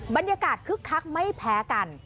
บรรยากาศคึกคักไม่แพ้กัน